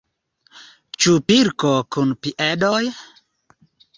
Ĉu pilko kun piedoj?